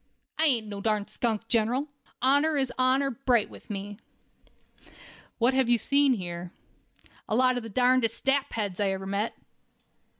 "I ain't no such darn skunk, General. Honor is honor bright with me." "What have you seen here?" "A lot of the darndest sapheads I ever met."